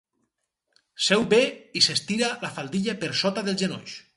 Seu bé i s'estira la faldilla per sota dels genolls.